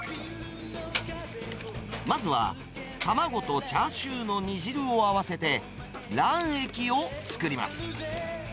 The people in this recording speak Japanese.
まずは、卵とチャーシューの煮汁を合わせて、卵液を作ります。